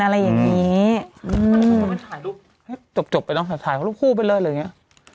อะไรอย่างงี้อืมแล้วมันถ่ายรูปจบจบไปต้องถ่ายรูปคู่ไปเลยเลยอย่างเงี้ย